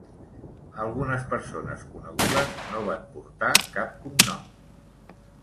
Algunes persones conegudes no van portar cap cognom.